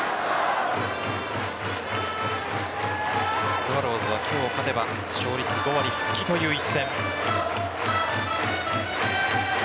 スワローズは今日勝てば勝率５割復帰という一戦。